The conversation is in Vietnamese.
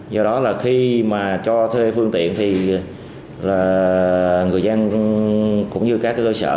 do đó là khi mà cho thuê phương tiện thì người dân cũng như các cơ sở